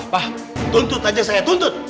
wah tuntut aja saya tuntut